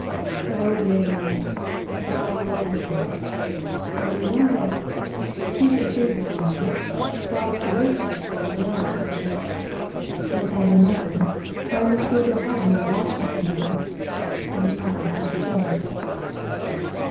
"Oh, dear Lord"—the Frau lowered her voice—"don't you know her? She's the free born one—daughter of the waitress at the railway station. They found her mother trying to squeeze her head in the wash hand jug, and the child's half silly."